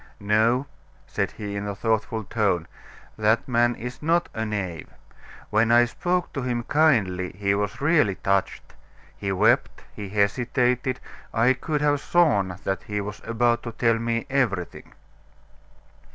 "No," said he in a thoughtful tone, "that man is not a knave. When I spoke to him kindly he was really touched; he wept, he hesitated. I could have sworn that he was about to tell me everything."